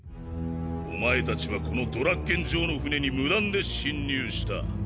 お前たちはこのドラッケン・ジョーの船に無断で侵入した。